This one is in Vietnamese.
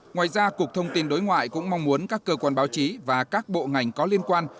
ngoài ra cục thông tin đối ngoại cũng mong muốn các cơ quan báo chí và các bộ ngành có liên quan